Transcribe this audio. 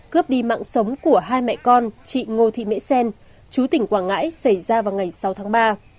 cướp đi mạng sống của hai mẹ con chị ngô thị mỹ sen chú tỉnh quảng ngãi xảy ra vào ngày sáu tháng ba